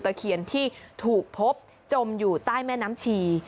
เคียนที่ถูกพบจมอยู่ใต้แม่น้ำชี